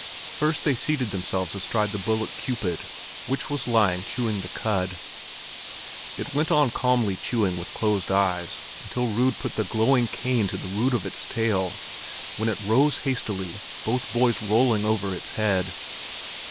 First they seated themselves astride the bullock Cupid, which was lying chewing the cud. It went on calmly chewing with closed eyes, until Rud put the glowing cane to the root of its tail, when it rose hastily, both boys rolling over its head.